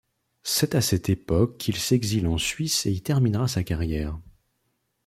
C'est à cette époque qu'il s'exile en Suisse et y terminera sa carrière.